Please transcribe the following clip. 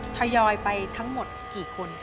ทยอยไปทั้งหมดกี่คน